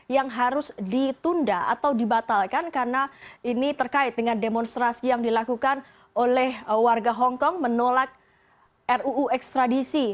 yang harus ditunda atau dibatalkan karena ini terkait dengan demonstrasi yang dilakukan oleh warga hongkong menolak ruu ekstradisi